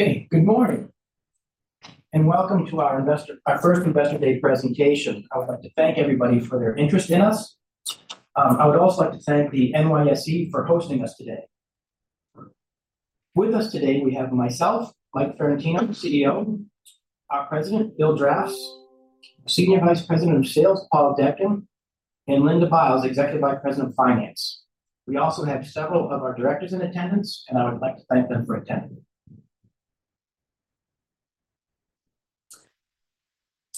Okay, good morning, and welcome to our investor, our First Investor Day presentation. I would like to thank everybody for their interest in us. I would also like to thank the NYSE for hosting us today. With us today, we have myself, Mike Ferrantino, the CEO; our President, Bill Drafts; Senior Vice President of Sales, Paul Dechen; and Linda Biles, Executive Vice President of Finance. We also have several of our Directors in attendance, and I would like to thank them for attending.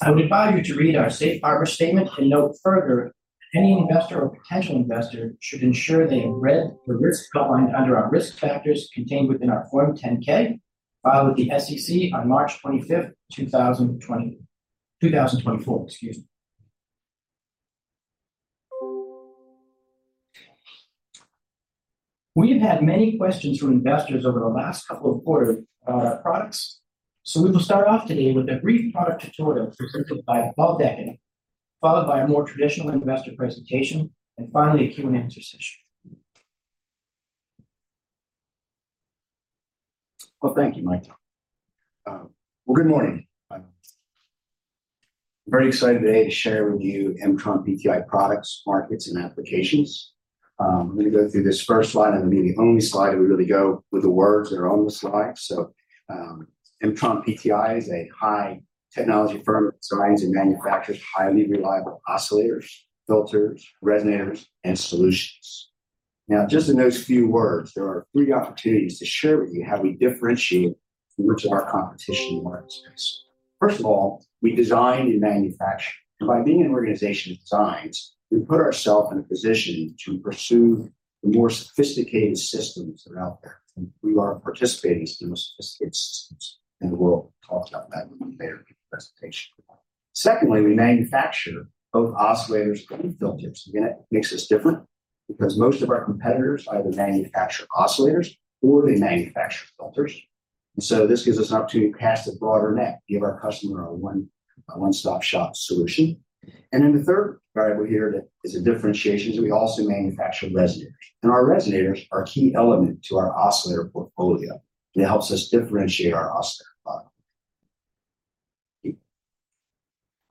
I would invite you to read our safe harbor statement and note further, any investor or potential investor should ensure they have read the risks outlined under our risk factors contained within our Form 10-K, filed with the SEC on March 25, 2024, excuse me. We've had many questions from investors over the last couple of quarters about our products, so we will start off today with a brief product tutorial presented by Paul Dechen, followed by a more traditional investor presentation, and finally, a Q&A session. Well, thank you, Mike. Well, good morning. I'm very excited today to share with you MtronPTI products, markets, and applications. I'm gonna go through this first slide, and it'll be the only slide where we really go with the words that are on the slide. MtronPTI is a high technology firm that designs and manufactures highly reliable oscillators, filters, resonators, and solutions. Now, just in those few words, there are three opportunities to share with you how we differentiate from much of our competition in the market space. First of all, we design and manufacture. By being an organization that designs, we put ourself in a position to pursue the more sophisticated systems that are out there, and we are participating in some sophisticated systems, and we'll talk about that a little later in the presentation. Secondly, we manufacture both oscillators and filters. Again, it makes us different because most of our competitors either manufacture oscillators or they manufacture filters. This gives us an opportunity to cast a broader net, give our customer a one, a one-stop-shop solution. Then the third variable here that is a differentiation is we also manufacture resonators, and our resonators are a key element to our oscillator portfolio, and it helps us differentiate our oscillator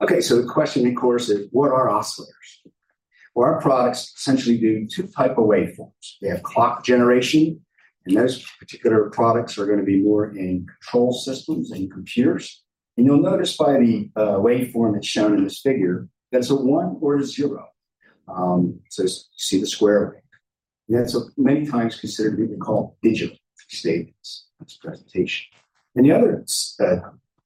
product. Okay, so the question, of course, is: What are oscillators? Well, our products essentially do two type of waveforms. They have clock generation, and those particular products are gonna be more in control systems and computers. You'll notice by the waveform that's shown in this figure, that it's a one or a zero. You see the square wave. That's many times considered being called digital states in this presentation. The other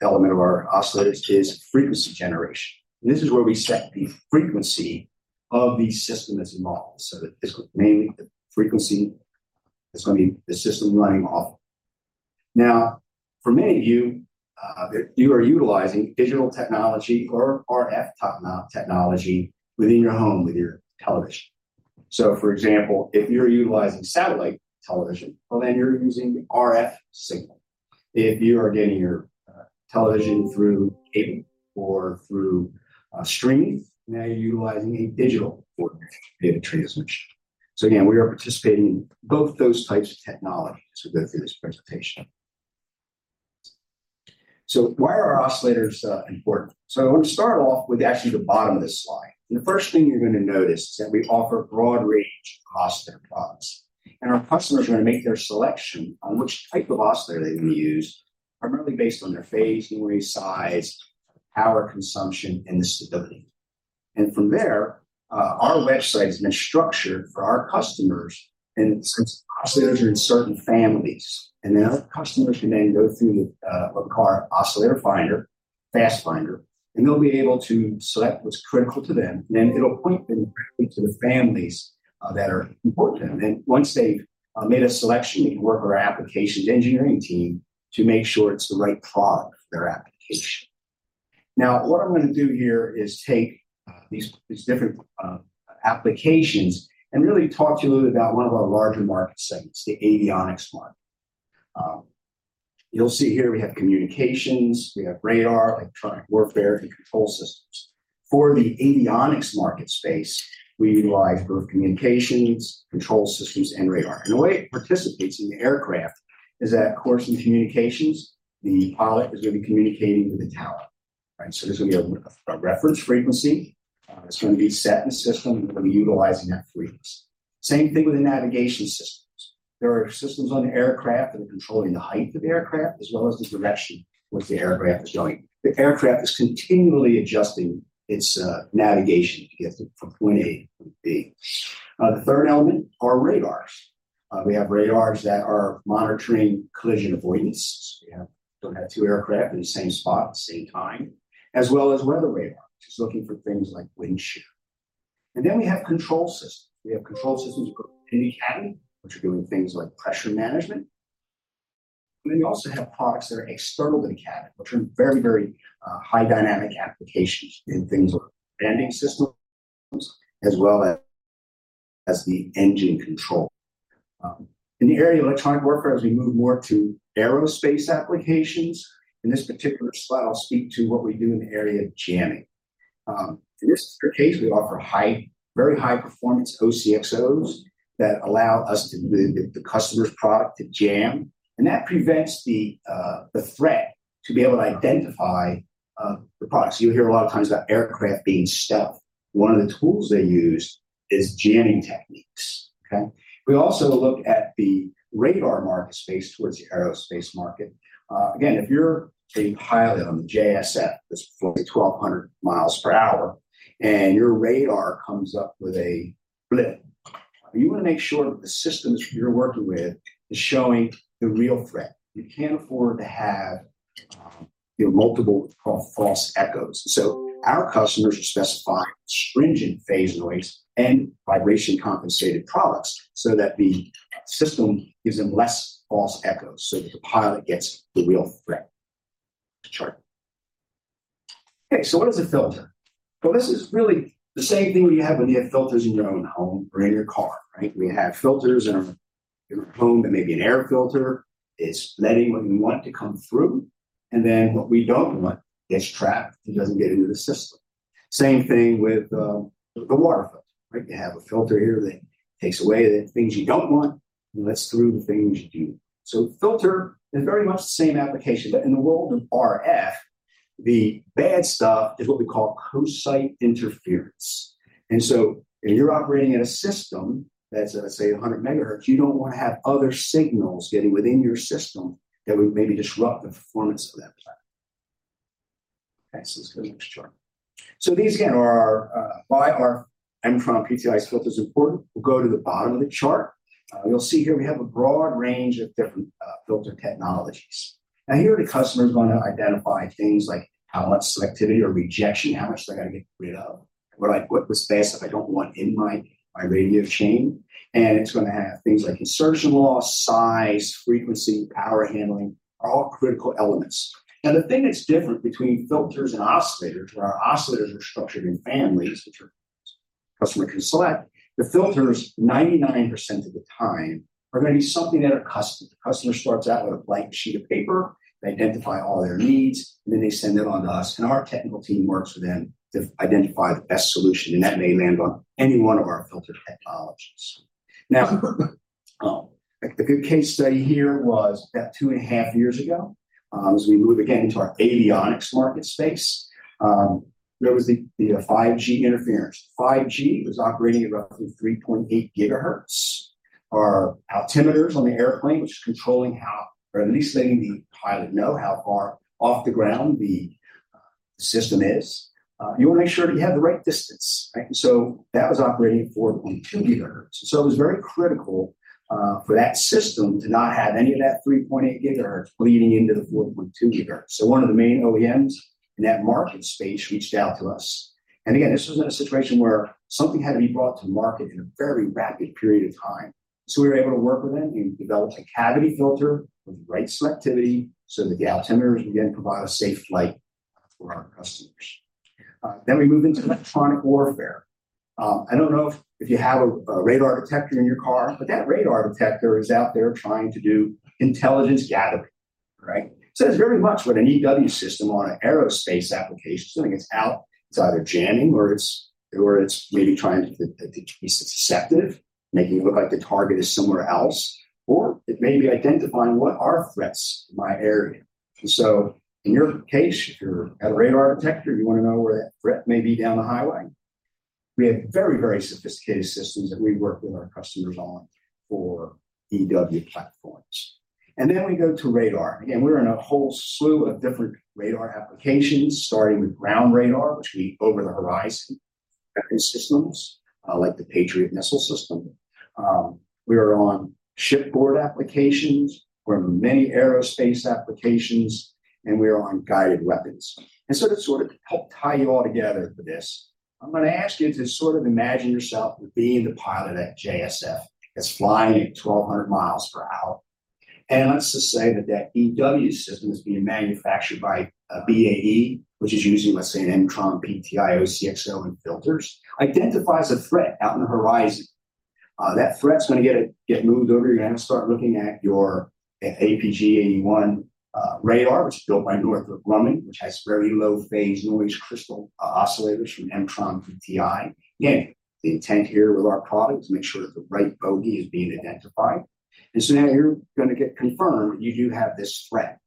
element of our oscillators is frequency generation. This is where we set the frequency of the system as a model, so that is mainly the frequency that's gonna be the system running off. Now, for many of you, you are utilizing digital technology or RF top-notch technology within your home with your television. For example, if you're utilizing satellite television, well, then you're using RF signal. If you are getting your television through cable or through streaming, now you're utilizing a digital form of data transmission. Again, we are participating in both those types of technologies as we go through this presentation. Why are oscillators important? I want to start off with actually the bottom of this slide. The first thing you're gonna notice is that we offer a broad range of oscillator products, and our customers are gonna make their selection on which type of oscillator they're gonna use, primarily based on their phase noise, size, power consumption, and the stability. From there, our website has been structured for our customers, and since oscillators are in certain families, and then our customers can then go through what we call our oscillator finder, fast finder, and they'll be able to select what's critical to them. Then it'll point them to the families that are important to them. And once they've made a selection, we work with our applications engineering team to make sure it's the right clock for their application. Now, what I'm gonna do here is take these different applications and really talk to you a little about one of our larger market segments, the avionics market. You'll see here we have communications, we have radar, electronic warfare, and control systems. For the avionics market space, we utilize both communications, control systems, and radar. The way it participates in the aircraft is that, of course, in communications, the pilot is gonna be communicating with the tower, right? There's gonna be a reference frequency. It's gonna be set in the system, and we're gonna be utilizing that frequency. Same thing with the navigation systems. There are systems on the aircraft that are controlling the height of the aircraft, as well as the direction which the aircraft is going. The aircraft is continually adjusting its navigation to get from point A to point B. The third element are radars. We have radars that are monitoring collision avoidance, so we don't have two aircraft in the same spot at the same time, as well as weather radar, which is looking for things like wind shear. Then we have control systems. We have control systems in the cabin, which are doing things like pressure management. We also have products that are external to the cabin, which are very, very high dynamic applications in things like landing systems as well as the engine control. In the area of electronic warfare, as we move more to aerospace applications, in this particular slide, I'll speak to what we do in the area of jamming. In this case, we offer high, very high-performance OCXOs that allow the customer's product to jam, and that prevents the threat to be able to identify the products. You'll hear a lot of times about aircraft being stealth. One of the tools they use is jamming techniques, okay? We also look at the radar market space towards the aerospace market. Again, if you're a pilot on the JSF that's flying 1,200 miles per hour, and your radar comes up with a blip, you wanna make sure that the systems you're working with is showing the real threat. You can't afford to have, you know, multiple false echoes. Our customers are specifying stringent phase noise and vibration-compensated products so that the system gives them less false echoes, so that the pilot gets the real threat. Next chart. Okay, so what is a filter? Well, this is really the same thing when you have filters in your own home or in your car, right? We have filters in our home, that may be an air filter. It's letting what we want to come through, and then what we don't want gets trapped and doesn't get into the system. Same thing with the water filter, right? You have a filter here that takes away the things you don't want and lets through the things you do. Filter is very much the same application, but in the world of RF, the bad stuff is what we call co-site interference. If you're operating in a system that's, let's say, 100 megahertz, you don't wanna have other signals getting within your system that would maybe disrupt the performance of that. Okay, so let's go to the next chart. These, again, are our, why are MtronPTI's filters important? We'll go to the bottom of the chart. You'll see here we have a broad range of different, filter technologies. Now, here, the customer's gonna identify things like how much selectivity or rejection, how much they're gonna get rid of, what was space that I don't want in my, my radio chain, and it's gonna have things like insertion loss, size, frequency, power handling, all critical elements. Now, the thing that's different between filters and oscillators, where our oscillators are structured in families, which our customer can select, the filters, 99% of the time, are gonna be something that a customer, the customer starts out with a blank sheet of paper. They identify all their needs, and then they send it on to us, and our technical team works with them to identify the best solution, and that may land on any one of our filter technologies. Now, a good case study here was about 2.5 years ago, as we move again into our avionics market space, there was the 5G interference. 5G was operating at roughly 3.8 GHz Our altimeters on the airplane, which is controlling how, or at least letting the pilot know how far off the ground the system is, you wanna make sure that you have the right distance, right? That was operating at 4.2 GHz. It was very critical for that system to not have any of that 3.8 GHz bleeding into the 4.2 GHz. One of the main OEMs in that market space reached out to us. Again, this was in a situation where something had to be brought to market in a very rapid period of time. We were able to work with them. We developed a cavity filter with the right selectivity, so the altimeters can then provide a safe flight for our customers. Then we move into electronic warfare. I don't know if you have a radar detector in your car, but that radar detector is out there trying to do intelligence gathering, right? It's very much what an EW system on an aerospace application does, so it's out. It's either jamming or it's maybe trying to be susceptible, making it look like the target is somewhere else, or it may be identifying what are threats in my area. In your case, if you're at a radar detector, you wanna know where that threat may be down the highway. We have very, very sophisticated systems that we work with our customers on for EW platforms. Then we go to radar. Again, we're in a whole slew of different radar applications, starting with ground radar, which use over-the-horizon systems, like the Patriot missile system. We are on shipboard applications, we're in many aerospace applications, and we are on guided weapons. To sort of help tie it all together for this, I'm gonna ask you to sort of imagine yourself being the pilot at JSF. It's flying at 1,200 mi per hour, and let's just say that that EW system is being manufactured by a BAE, which is using, let's say, an MtronPTI OCXO and filters, identifies a threat out in the horizon. That threat's gonna get, get moved over. You're gonna start looking at your APG-81 radar, which is built by Northrop Grumman, which has very low phase noise, crystal oscillators from MtronPTI. Again, the intent here with our product is to make sure that the right bogey is being identified. Now you're gonna get confirmed you do have this threat.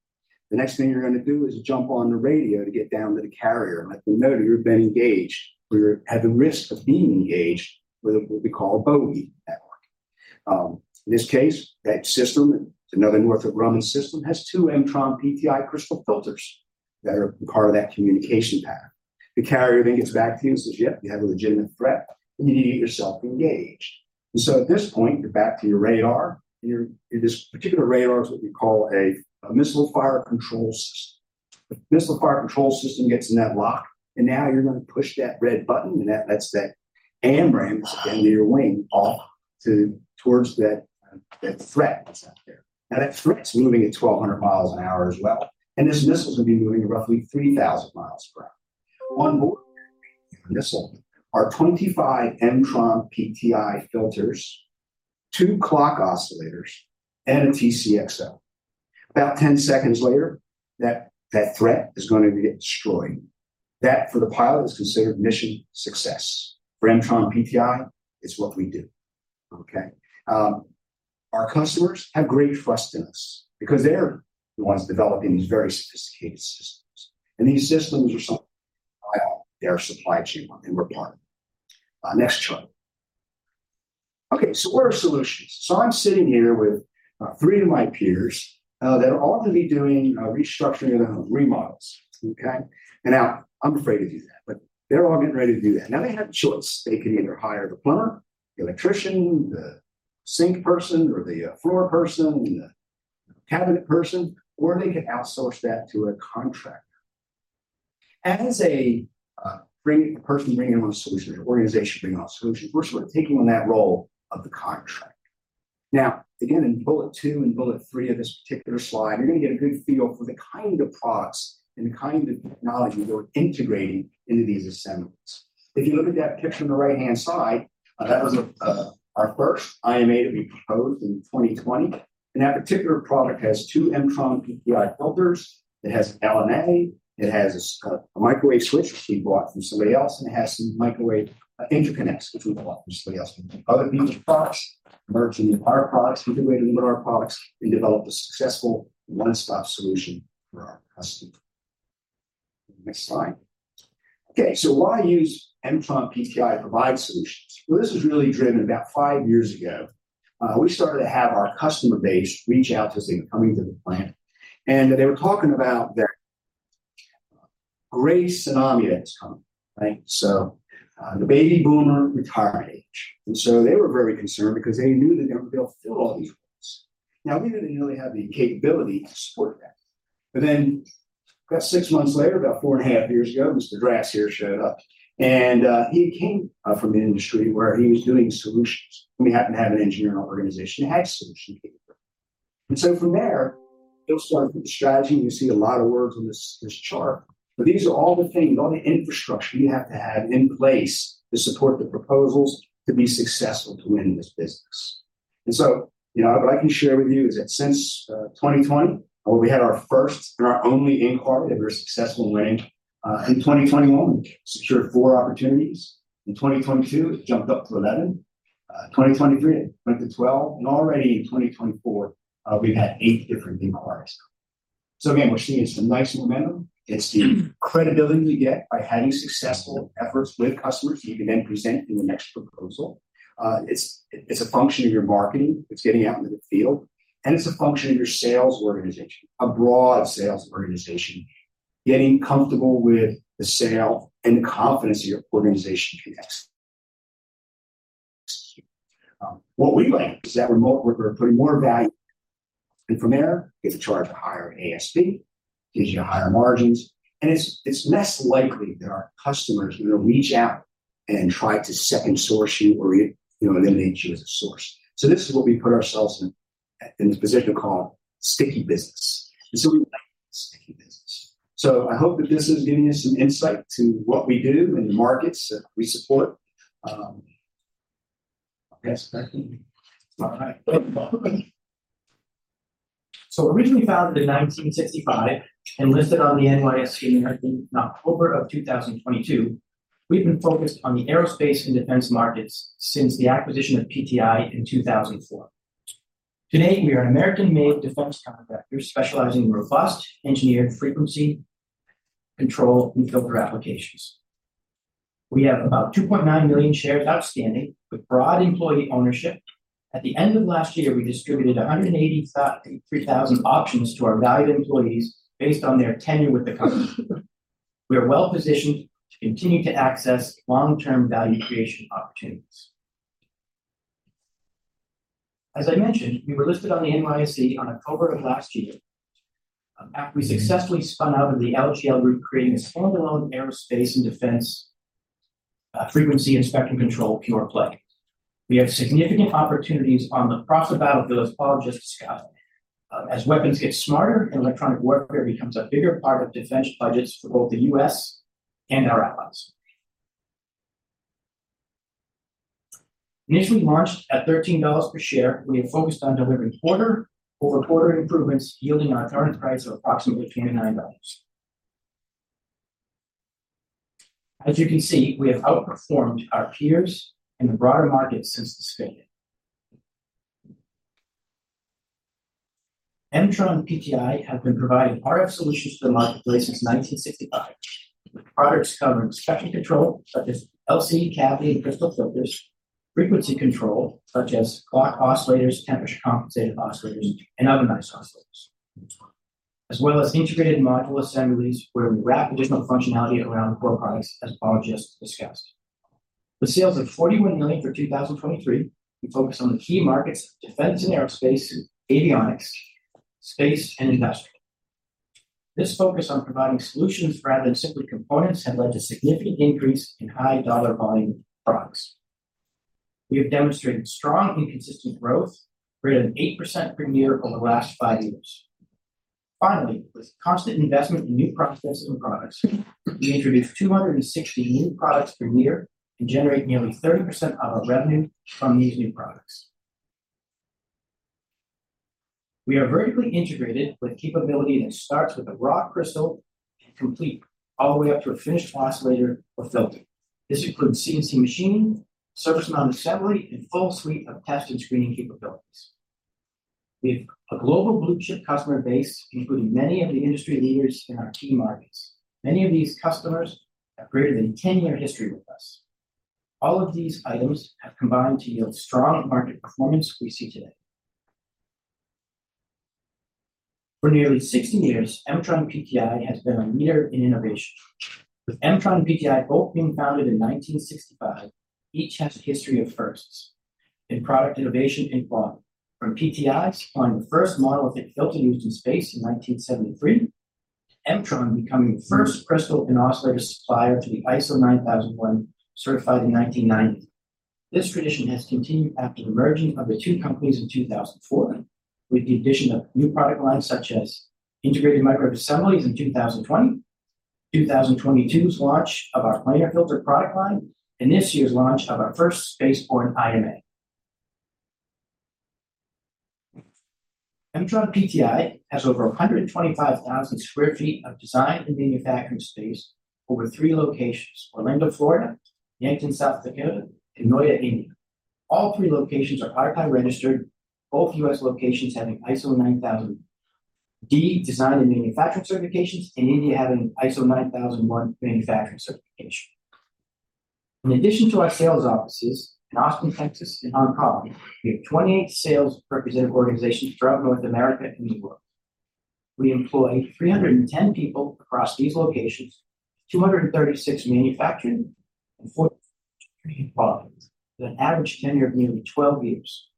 The next thing you're gonna do is jump on the radio to get down to the carrier and let them know you've been engaged, or you're at the risk of being engaged with what we call a bogey network. In this case, that system, it's another Northrop Grumman system, has two MtronPTI crystal filters that are part of that communication path. The carrier then gets back to you and says, "Yep, you have a legitimate threat, and you need to get yourself engaged." At this point, you're back to your radar, and your, this particular radar is what we call a missile fire control system. The missile fire control system gets in that lock, and now you're gonna push that red button, and that lets that AMRAAM extend off your wing towards that threat that's out there. Now, that threat's moving at 1,200 mi an hour as well, and this missile is gonna be moving at roughly 3,000 mi per hour. Onboard missile are 25 MtronPTI filters, two clock oscillators and a TCXO. About 10 seconds later, that, that threat is going to get destroyed. That, for the pilot, is considered mission success. For MtronPTI, it's what we do, okay? Our customers have great trust in us because they're the ones developing these very sophisticated systems, and these systems are something their supply chain and we're part of it. Next chart. Okay, so what are solutions? I'm sitting here with, three of my peers, that are all going to be doing, restructuring and remodels, okay? Now, I'm afraid to do that, but they're all getting ready to do that. Now, they have a choice. They can either hire the plumber, the electrician, the sink person or the floor person, the cabinet person, or they can outsource that to a contractor. As a person bringing in one solution, an organization bringing our solution, we're sort of taking on that role of the contractor. Now, again, in bullet 2 and bullet 3 of this particular slide, you're gonna get a good feel for the kind of products and the kind of technology we're integrating into these assemblies. If you look at that picture on the right-hand side, that was our first IMA to be proposed in 2020, and that particular product has 2 MtronPTI filters. It has LNA, it has a microwave switch, which we bought from somebody else, and it has some microwave interconnects, which we bought from somebody else. Other than these products, merging our products with the way to build our products and develop a successful one-stop solution for our customer. Next slide. Okay, so why use MtronPTI provided solutions? Well, this was really driven about five years ago. We started to have our customer base reach out to us. They were coming to the plant, and they were talking about their great tsunami that's coming, right? The baby boomer retirement age, and so they were very concerned because they knew they wouldn't be able to fill all these roles. Now, we didn't really have the capability to support that. Then, about six months later, about four and a half years ago, Mr. Drafts here showed up, and, he came, from an industry where he was doing solutions. We happened to have an engineering organization that had solution capability. From there, we started the strategy. You see a lot of words on this, this chart, but these are all the things, all the infrastructure you have to have in place to support the proposals to be successful to win this business. You know, what I can share with you is that since 2020, where we had our first and our only inquiry of our successful win, in 2021, we secured four opportunities. In 2022, it jumped up to eleven. 2023, it went to 12, and already in 2024, we've had eight different inquiries. Again, we're seeing some nice momentum. It's the credibility we get by having successful efforts with customers, so you can then present in the next proposal. It's a function of your marketing. It's getting out into the field, and it's a function of your sales organization, a broad sales organization, getting comfortable with the sale and the confidence of your organization can execute. What we like is that remote work, we're putting more value, and from there, it's a charge of higher ASP, gives you higher margins, and it's less likely that our customers will reach out and try to second-source you or you know, eliminate you as a source. This is where we put ourselves in this position called sticky business, and so we like sticky business. I hope that this is giving you some insight to what we do and the markets that we support. I guess that can. Originally founded in 1965 and listed on the NYSE in October 2022, we've been focused on the aerospace and defense markets since the acquisition of PTI in 2004. Today, we are an American-made defense contractor specializing in robust, engineered frequency, control, and filter applications. We have about 2.9 million shares outstanding, with broad employee ownership. At the end of last year, we distributed 183,000 options to our valued employees based on their tenure with the company. We are well-positioned to continue to access long-term value creation opportunities. As I mentioned, we were listed on the NYSE on October of last year, after we successfully spun out of the LGL Group, creating a standalone aerospace and defense, frequency and spectrum control pure play. We have significant opportunities on the prospect battlefields Paul just discussed. As weapons get smarter, electronic warfare becomes a bigger part of defense budgets for both the U.S. and our allies. Initially launched at $13 per share, we have focused on delivering quarter-over-quarter improvements, yielding our current price of approximately $29. As you can see, we have outperformed our peers in the broader market since the spin. MtronPTI have been providing RF solutions to the marketplace since 1965, with products covering spectrum control, such as LC, cavity, and crystal filters. Frequency control, such as clock oscillators, temperature-compensated oscillators, and ovenized oscillators. As well as integrated microwave assemblies, where we wrap additional functionality around core products, as Paul just discussed. With sales of $41 million for 2023, we focus on the key markets, defense and aerospace, avionics, space, and industrial. This focus on providing solutions rather than simply components has led to significant increase in high dollar volume products. We have demonstrated strong and consistent growth, greater than 8% per year over the last 5 years. Finally, with constant investment in new processes and products, we introduce 260 new products per year and generate nearly 30% of our revenue from these new products. We are vertically integrated with capability that starts with a raw crystal and complete all the way up to a finished oscillator or filter. This includes CNC machining, surface mount assembly, and full suite of test and screening capabilities. We have a global blue-chip customer base, including many of the industry leaders in our key markets. Many of these customers have greater than 10-year history with us. All of these items have combined to yield strong market performance we see today. For nearly 60 years, MtronPTI has been a leader in innovation. With Mtron and PTI both being founded in 1965, each has a history of firsts in product innovation and volume. From PTI supplying the first model of the filter used in space in 1973, to Mtron becoming the first crystal and oscillator supplier to be ISO 9001 certified in 1990. This tradition has continued after the merging of the two companies in 2004, with the addition of new product lines such as integrated microwave assemblies in 2020, 2022's launch of our planar filter product line, and this year's launch of our first spaceborne IMA. MtronPTI has over 125,000 sq ft of design and manufacturing space over three locations: Orlando, Florida, Yankton, South Dakota, and Noida, India. All three locations are ITAR registered, both U.S. locations having ISO 9000 design and manufacturing certifications, and India having ISO 9001 manufacturing certification. In addition to our sales offices in Austin, Texas, and Hong Kong, we have 28 sales representative organizations throughout North America and the world. We employ 310 people across these locations, 236 manufacturing, and 43 quality, with an average tenure of nearly 12 years.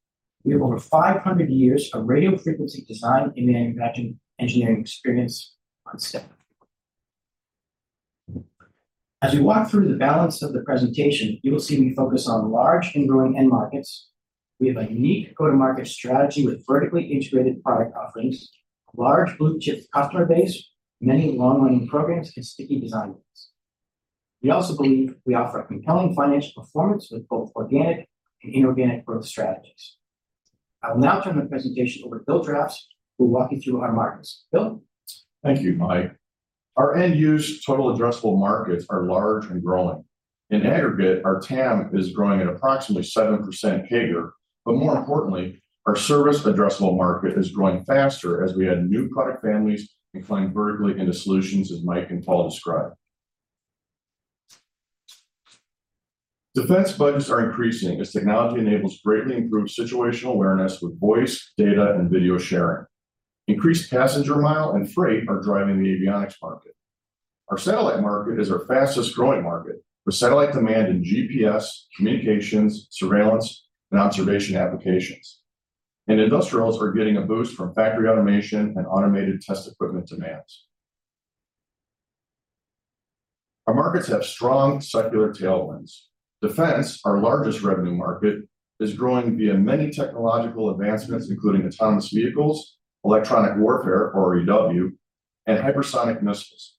We have over 500 years of radio frequency design and manufacturing engineering experience on staff. As we walk through the balance of the presentation, you will see we focus on large and growing end markets. We have a unique go-to-market strategy with vertically integrated product offerings, large blue-chip customer base, many long-running programs, and sticky design wins. We also believe we offer a compelling financial performance with both organic and inorganic growth strategies. I will now turn the presentation over to Bill Drafts, who will walk you through our markets. Bill? Thank you, Mike. Our end-use total addressable markets are large and growing. In aggregate, our TAM is growing at approximately 7% CAGR, but more importantly, our serviceable addressable market is growing faster as we add new product families and climb vertically into solutions, as Mike and Paul described. Defense budgets are increasing as technology enables greatly improved situational awareness with voice, data, and video sharing. Increased passenger mile and freight are driving the avionics market. Our satellite market is our fastest-growing market, with satellite demand in GPS, communications, surveillance, and observation applications. Industrials are getting a boost from factory automation and automated test equipment demands. Our markets have strong secular tailwinds. Defense, our largest revenue market, is growing via many technological advancements, including autonomous vehicles, electronic warfare, or EW, and hypersonic missiles.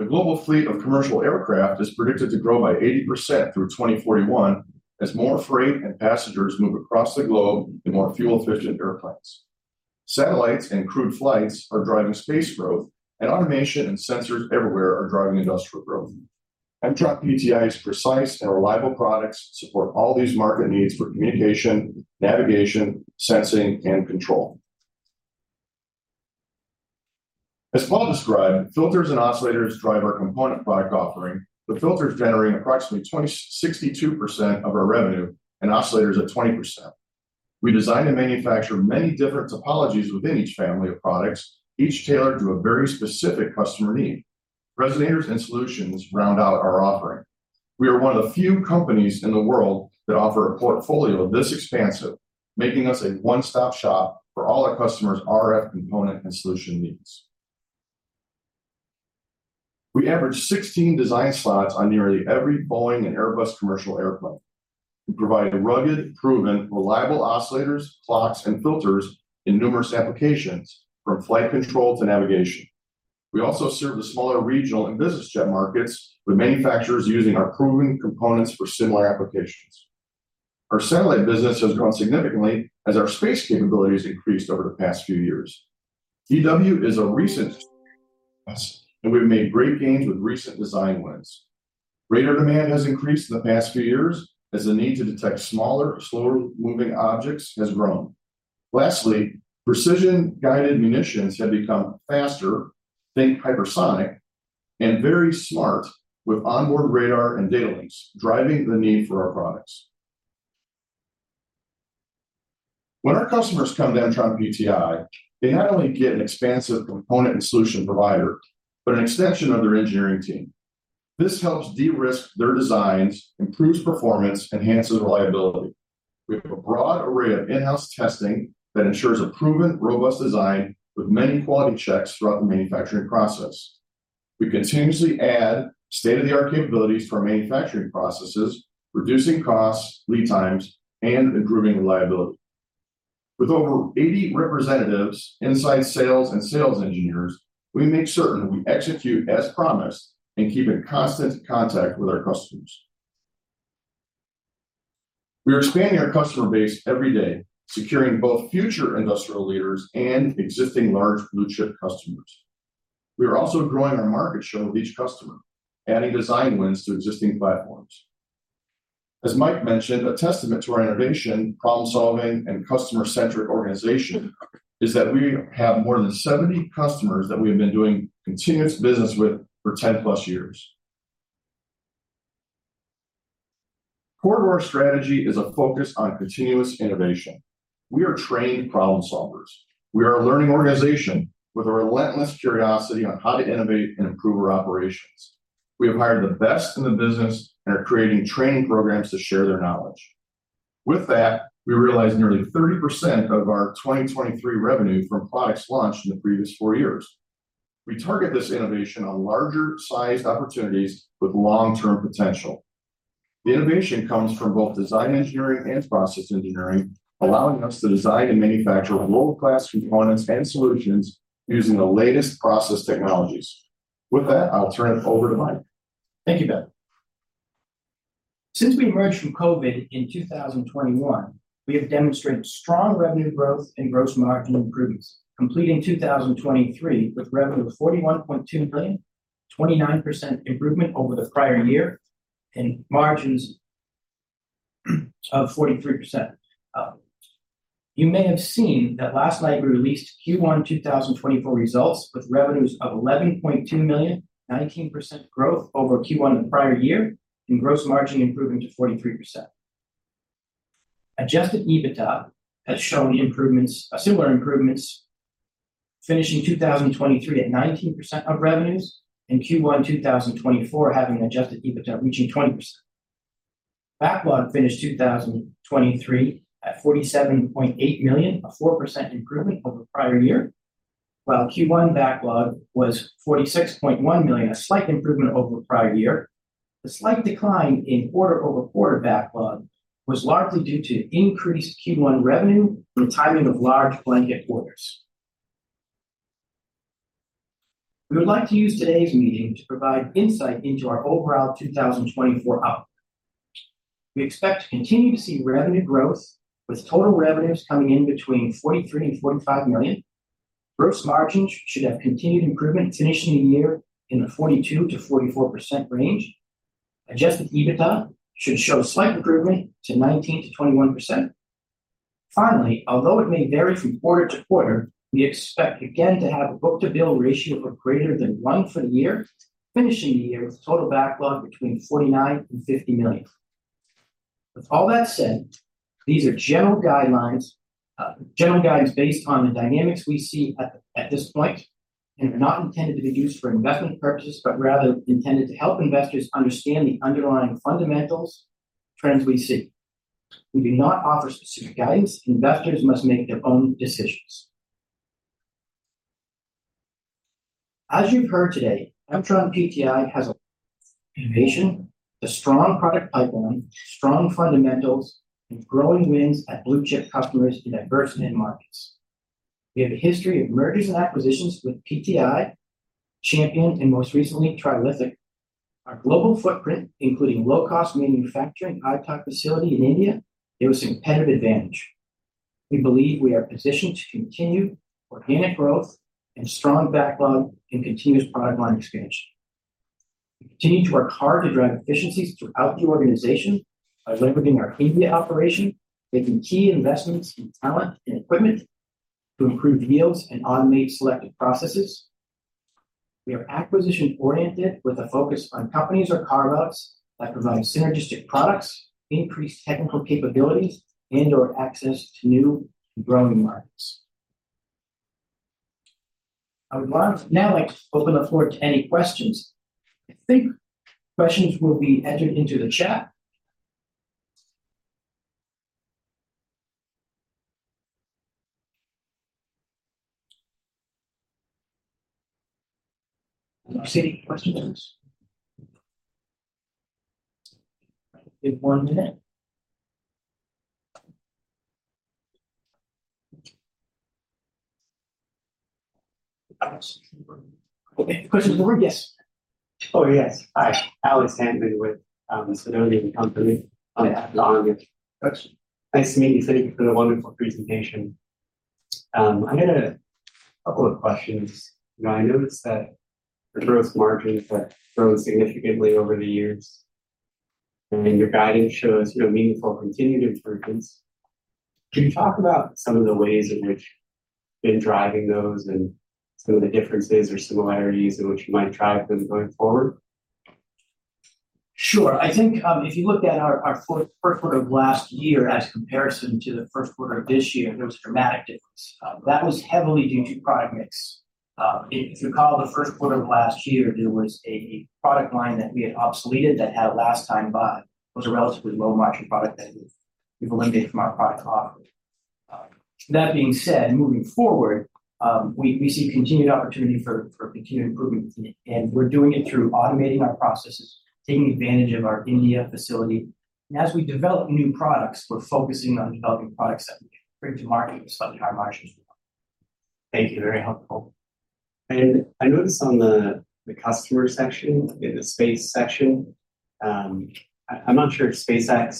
The global fleet of commercial aircraft is predicted to grow by 80% through 2041 as more freight and passengers move across the globe in more fuel-efficient airplanes. Satellites and crewed flights are driving space growth, and automation and sensors everywhere are driving industrial growth. MtronPTI's precise and reliable products support all these market needs for communication, navigation, sensing, and control. As Paul described, filters and oscillators drive our component product offering, with filters generating approximately 26% of our revenue and oscillators at 20%. We design and manufacture many different topologies within each family of products, each tailored to a very specific customer need. Resonators and solutions round out our offering. We are one of the few companies in the world that offer a portfolio this expansive, making us a one-stop shop for all our customers' RF component and solution needs. We average 16 design slots on nearly every Boeing and Airbus commercial airplane. We provide rugged, proven, reliable oscillators, clocks, and filters in numerous applications, from flight control to navigation. We also serve the smaller regional and business jet markets, with manufacturers using our proven components for similar applications. Our satellite business has grown significantly as our space capabilities increased over the past few years. EW is a recent, and we've made great gains with recent design wins. Radar demand has increased in the past few years as the need to detect smaller, slower-moving objects has grown. Lastly, precision-guided munitions have become faster, think hypersonic, and very smart with onboard radar and data links, driving the need for our products. When our customers come to MtronPTI, they not only get an expansive component and solution provider, but an extension of their engineering team. This helps de-risk their designs, improves performance, enhances reliability. We have a broad array of in-house testing that ensures a proven, robust design with many quality checks throughout the manufacturing process. We continuously add state-of-the-art capabilities for manufacturing processes, reducing costs, lead times, and improving reliability. With over 80 representatives, inside sales and sales engineers, we make certain we execute as promised and keep in constant contact with our customers. We are expanding our customer base every day, securing both future industrial leaders and existing large blue-chip customers. We are also growing our market share with each customer, adding design wins to existing platforms. As Mike mentioned, a testament to our innovation, problem-solving, and customer-centric organization is that we have more than 70 customers that we have been doing continuous business with for 10+ years. Core to our strategy is a focus on continuous innovation. We are trained problem solvers. We are a learning organization with a relentless curiosity on how to innovate and improve our operations. We have hired the best in the business and are creating training programs to share their knowledge. With that, we realized nearly 30% of our 2023 revenue from products launched in the previous four years. We target this innovation on larger-sized opportunities with long-term potential. The innovation comes from both design engineering and process engineering, allowing us to design and manufacture world-class components and solutions using the latest process technologies. With that, I'll turn it over to Mike. Thank you, Bill. Since we emerged from COVID in 2021, we have demonstrated strong revenue growth and gross margin improvements, completing 2023 with revenue of $41.2 million, 29% improvement over the prior year, and margins of 43%. You may have seen that last night we released Q1 2024 results, with revenues of $11.2 million, 19% growth over Q1 of the prior year, and gross margin improving to 43%. Adjusted EBITDA has shown improvements, similar improvements, finishing 2023 at 19% of revenues, and Q1 2024 having Adjusted EBITDA reaching 20%. Backlog finished 2023 at $47.8 million, a 4% improvement over the prior year, while Q1 backlog was $46.1 million, a slight improvement over the prior year. The slight decline in quarter-over-quarter backlog was largely due to increased Q1 revenue and timing of large blanket orders. We would like to use today's meeting to provide insight into our overall 2024 outlook. We expect to continue to see revenue growth, with total revenues coming in between $43 million and $45 million. Gross margins should have continued improvement, finishing the year in the 42%-44% range. Adjusted EBITDA should show slight improvement to 19%-21%. Finally, although it may vary from quarter to quarter, we expect again to have a book-to-bill ratio of greater than one for the year, finishing the year with total backlog between $49 million and $50 million. With all that said, these are general guidelines, general guidance based on the dynamics we see at this point, and are not intended to be used for investment purposes, but rather intended to help investors understand the underlying fundamentals trends we see. We do not offer specific guidance. Investors must make their own decisions. As you've heard today, MtronPTI has an innovation, a strong product pipeline, strong fundamentals, and growing wins at blue-chip customers in diversified markets. We have a history of mergers and acquisitions with PTI, Champion, and most recently, Trilithic. Our global footprint, including low-cost manufacturing Noida facility in India, gives us a competitive advantage. We believe we are positioned to continue organic growth and strong backlog and continuous product line expansion. We continue to work hard to drive efficiencies throughout the organization by leveraging our India operation, making key investments in talent and equipment to improve yields and automate selected processes. We are acquisition-oriented, with a focus on companies or products that provide synergistic products, increase technical capabilities, and/or access to new and growing markets. I would now like to open the floor to any questions. I think questions will be entered into the chat. Do you see any questions? We have one today. Questions for, Yes? Oh, yes. Hi, Alex Hantman with, Sidoti & Company. Yeah. Thanks. Nice to meet you. Thank you for the wonderful presentation. I had a couple of questions. You know, I noticed that the gross margins have grown significantly over the years, and your guidance shows, you know, meaningful continued improvements. Can you talk about some of the ways in which you've been driving those and some of the differences or similarities in which you might drive them going forward? Sure. I think, if you looked at our first quarter of last year as comparison to the first quarter of this year, there was a dramatic difference. That was heavily due to product mix. If you recall, the first quarter of last year, there was a product line that we had obsoleted that had last time bought, was a relatively low-margin product that we've eliminated from our product offering. That being said, moving forward, we see continued opportunity for continued improvement, and we're doing it through automating our processes, taking advantage of our India facility. As we develop new products, we're focusing on developing products that we can bring to market with slightly higher margins. Thank you. Very helpful. I noticed on the customer section, in the space section, I’m not sure if SpaceX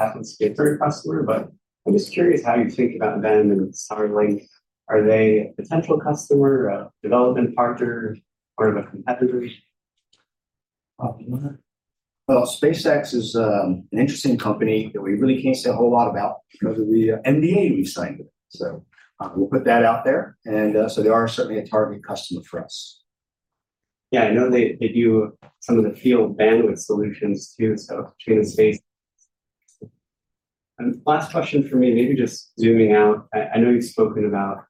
happens to be a third customer, but I’m just curious how you think about them and Starlink. Are they a potential customer, a development partner, or are they competitors? Well, SpaceX is an interesting company that we really can't say a whole lot about because of the NDA we signed with. We'll put that out there, and so they are certainly a target customer for us. Yeah, I know they, they do some of the field bandwidth solutions, too, so between the space. Last question for me, maybe just zooming out. I know you've spoken about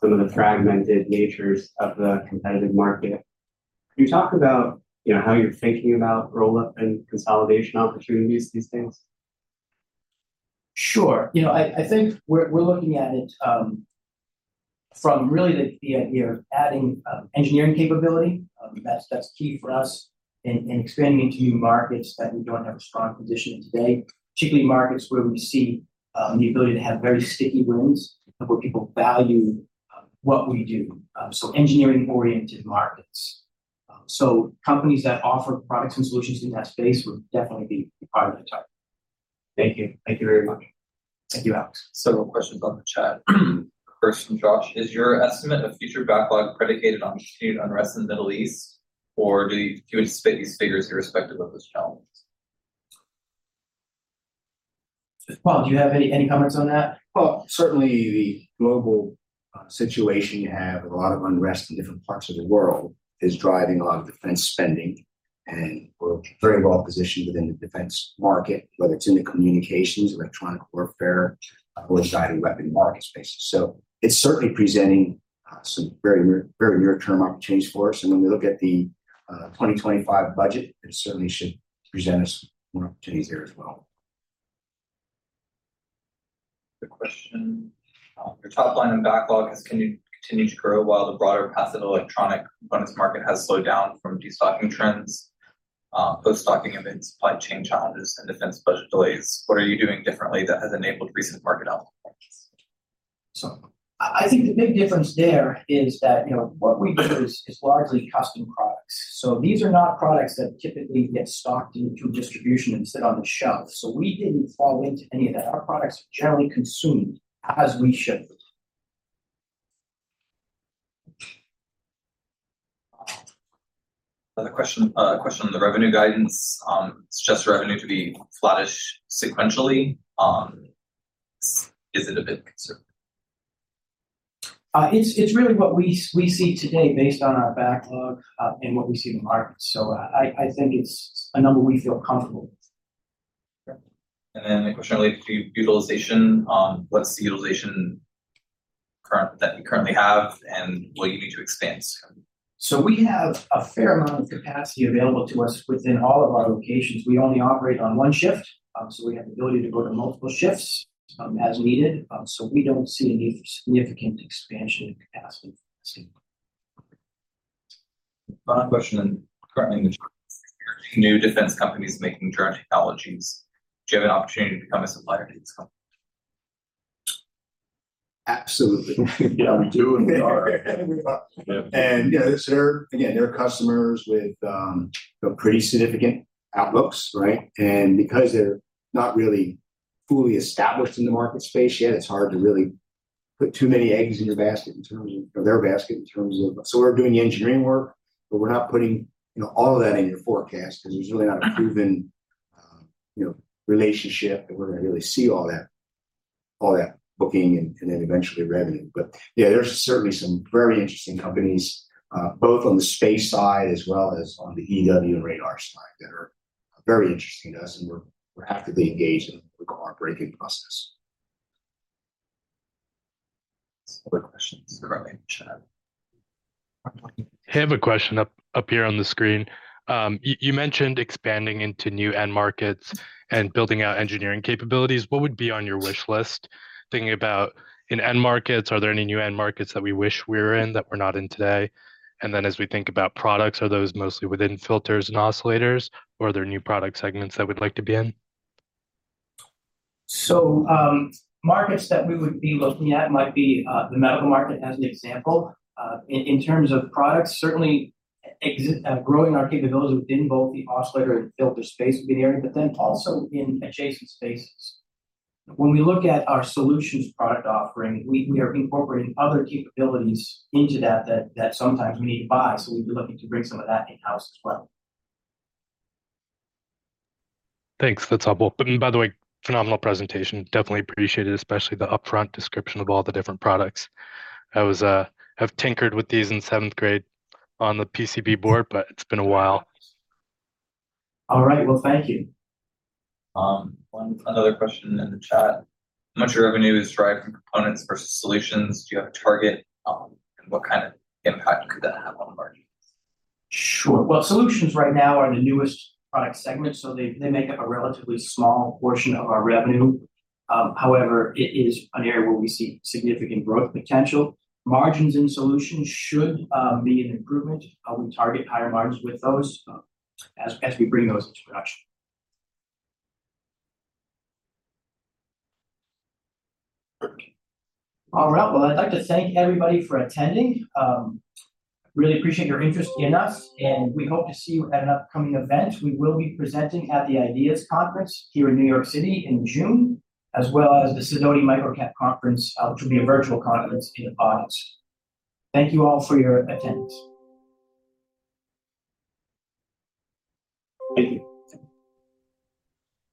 some of the fragmented natures of the competitive market. Can you talk about, you know, how you're thinking about roll-up and consolidation opportunities, these things? Sure. You know, I think we're looking at it from really the idea of adding engineering capability. That's key for us in expanding into new markets that we don't have a strong position in today, particularly markets where we see the ability to have very sticky wins and where people value what we do. Engineering-oriented markets. Companies that offer products and solutions in that space would definitely be part of the target. Thank you. Thank you very much. Thank you, Alex. Several questions on the chat. First, from Josh, "Is your estimate of future backlog predicated on continued unrest in the Middle East, or do you anticipate these figures irrespective of those challenges? Well, do you have any comments on that? Well, certainly the global situation, you have a lot of unrest in different parts of the world, is driving a lot of defense spending. We're very well positioned within the defense market, whether it's in the communications, electronic warfare, or guided weapon market space. It's certainly presenting some very near, very near-term opportunities for us. When we look at the 2025 budget, it certainly should present us more opportunities there as well. The question, "Your top line and backlog has continued to grow while the broader passive electronic components market has slowed down from destocking trends, post-stocking and then supply chain challenges and defense budget delays. What are you doing differently that has enabled recent market opportunities? I think the big difference there is that, you know, what we do is largely custom products. These are not products that typically get stocked into a distribution and sit on the shelf. We didn't fall into any of that. Our products are generally consumed as we ship. Another question, a question on the revenue guidance. Suggest revenue to be flattish sequentially, is it a big concern? It's really what we see today based on our backlog, and what we see in the market. I think it's a number we feel comfortable with. A question related to utilization. What's the current utilization that you currently have, and will you need to expand? We have a fair amount of capacity available to us within all of our locations. We only operate on one shift, so we have the ability to go to multiple shifts, as needed. We don't see a need for significant expansion in capacity. One question currently, new defense companies making drone technologies, do you have an opportunity to become a supplier to these companies? Absolutely. Yeah, we do, and we are. You know, they're, again, they're customers with, you know, pretty significant outlooks, right? Because they're not really fully established in the market space yet, it's hard to really put too many eggs in your basket in terms of, or their basket, in terms of. We're doing engineering work, but we're not putting, you know, all of that in your forecast, because there's really not a proven, you know, relationship, and we're gonna really see all that, all that booking and, and then eventually revenue. Yeah, there's certainly some very interesting companies, both on the space side as well as on the EW and radar side, that are very interesting to us, and we're actively engaged in our breaking process. Other questions currently in the chat? I have a question up here on the screen. You mentioned expanding into new end markets and building out engineering capabilities. What would be on your wish list, thinking about end markets? Are there any new end markets that we wish we were in, that we're not in today? Then, as we think about products, are those mostly within filters and oscillators, or are there new product segments that we'd like to be in? Markets that we would be looking at might be the medical market, as an example. In terms of products, certainly growing our capability within both the oscillator and filter space would be an area, but then also in adjacent spaces. When we look at our solutions product offering, we are incorporating other capabilities into that that sometimes we need to buy. We'd be looking to bring some of that in-house as well. Thanks, that's helpful. By the way, phenomenal presentation, definitely appreciate it, especially the upfront description of all the different products. I was, have tinkered with these in seventh grade on the PCB board, but it's been a while. All right, well, thank you. Another question in the chat. How much of your revenue is derived from components versus solutions? Do you have a target? What kind of impact could that have on the margins? Sure. Well, solutions right now are the newest product segment, so they, they make up a relatively small portion of our revenue. However, it is an area where we see significant growth potential. Margins in solutions should be an improvement. We target higher margins with those, as, as we bring those into production. All right, well, I'd like to thank everybody for attending. Really appreciate your interest in us, and we hope to see you at an upcoming event. We will be presenting at the IDEAS Conference here in New York City in June, as well as the Sidoti MicroCap Conference, which will be a virtual conference in August. Thank you all for your attendance. Thank you.